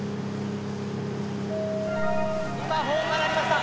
今ホーンが鳴りました。